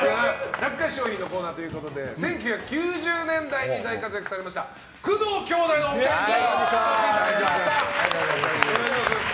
懐かし商品のコーナーということで１９９０年代に大活躍されました工藤兄弟のお二人にお越しいただきました！